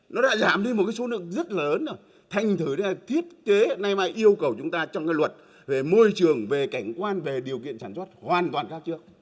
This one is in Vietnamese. nó đã giảm đi một số lượng rất lớn thành thử thiết kế nay mai yêu cầu chúng ta trong luật về môi trường về cảnh quan về điều kiện sản xuất hoàn toàn khác trước